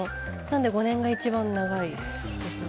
なので５年が一番長いですね。